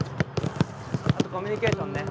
あとコミュニケーションね。